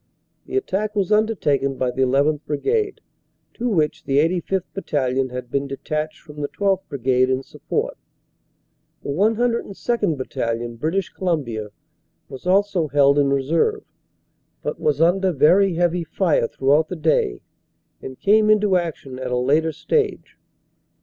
The attack was undertaken by the 1 1th. Brigade, to which the 85th. Battalion had been detached from the 12th. Brigade in support. The 102nd. Battalion, British Columbia, was also held in reserve, but was under very heavy fire throughout the day and came into action at a later stage.